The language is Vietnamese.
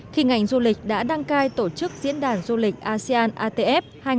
khi ngành du lịch đã đăng cai tổ chức diễn đàn du lịch asean atf hai nghìn hai mươi